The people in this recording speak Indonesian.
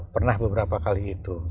pernah beberapa kali itu